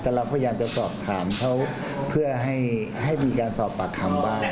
แต่เราพยายามจะสอบถามเขาเพื่อให้มีการสอบปากคำบ้าง